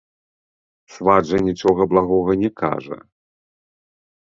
Сват жа нічога благога не кажа.